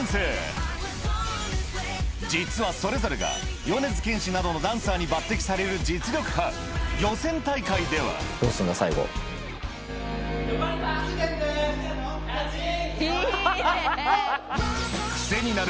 実はそれぞれが米津玄師などのダンサーに抜てきされる実力派予選大会ではいいねぇ！